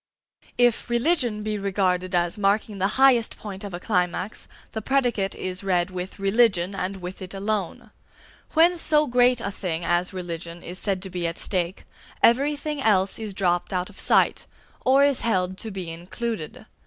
If "religion" be regarded as marking the highest point of a climax, the predicate is read with "religion," and with it alone. When so great a thing as religion is said to be at stake, everything else is dropped out of sight, or is held to be included.